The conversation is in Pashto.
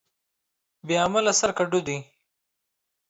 بې عمله سر کډو دى.